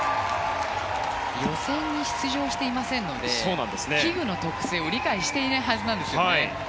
予選に出場していませんので器具の特性を理解していないはずなんです。